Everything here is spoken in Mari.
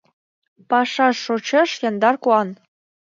Пашаш шочеш яндар куан.